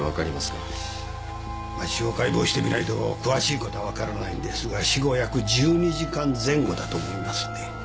司法解剖してみないと詳しいことは分からないんですが死後約１２時間前後だと思いますね。